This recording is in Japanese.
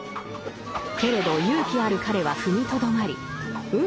けれど勇気ある彼は踏みとどまり運